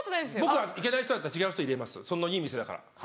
僕は行けない人だったら違う人入れますいい店だから。